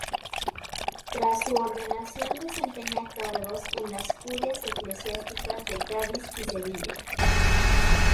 Tras su ordenación desempeña cargos en la curias eclesiásticas de Cádiz y Sevilla.